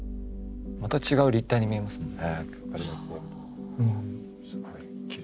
また違う立体に見えますもんね。